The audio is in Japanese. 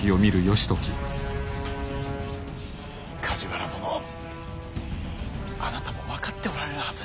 梶原殿あなたも分かっておられるはず。